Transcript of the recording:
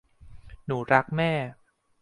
หนูรักแม่